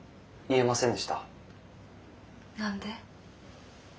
何で？